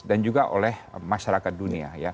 dan juga oleh masyarakat dunia